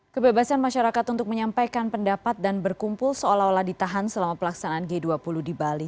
kebebasan masyarakat untuk menyampaikan pendapat dan berkumpul seolah olah ditahan selama pelaksanaan g dua puluh di bali